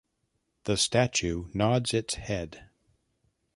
The statue nods its head.